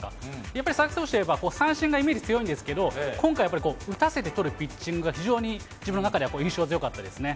やっぱり佐々木投手といえば三振イメージ強いんですけど、今回やっぱりこう、打たせて取るピッチングが非常に自分の中では印象強かったですね。